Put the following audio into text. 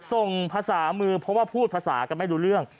ส่งภาษามือเพราะว่าพูดภาษากันไม่รู้เรื่อง